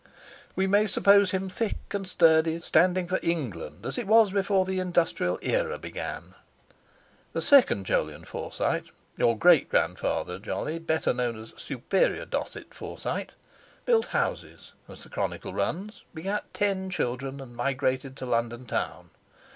"We may suppose him thick and sturdy, standing for England as it was before the Industrial Era began. The second Jolyon Forsyte—your great grandfather, Jolly; better known as Superior Dosset Forsyte—built houses, so the chronicle runs, begat ten children, and migrated to London town.